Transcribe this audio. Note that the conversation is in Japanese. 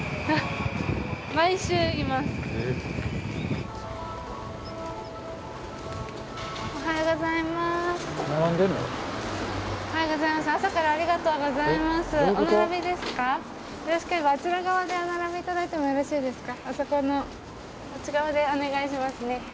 あそこのあっち側でお願いしますね。